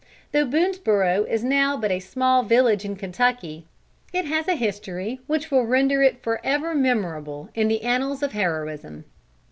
Though Boonesborough is now but a small village in Kentucky, it has a history which will render it forever memorable in the annals of heroism.